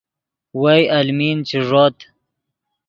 وئے المین چے ݱوت